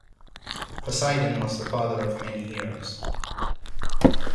Poseidon was the father of many heroes.